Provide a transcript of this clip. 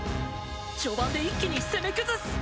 序盤で一気に攻め崩す！